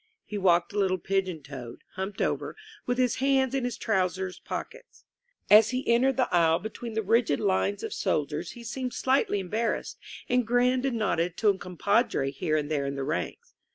He walked a little pigeon toed, humped over, with his hands in his trousers pockets. As he entered the aisle be tween the rigid lines of soldiers he seemed slightly em barrassed, and grinned and nodded to a compadre here and there in the ranks.